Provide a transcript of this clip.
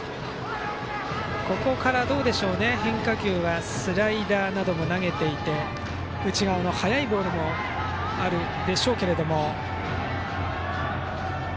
ここから、どうでしょう変化球はスライダーなども投げていて内側の速いボールもあるでしょうけども。